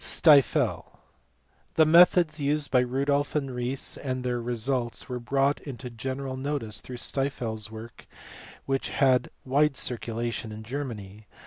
Stifel + The methods used by Rudolff and Riese and their results were brought into general notice through Stifel s work which had a wide circulation in Germany.